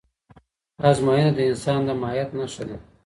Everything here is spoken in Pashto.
ازموینه د انسان د ماهیت نښه ده.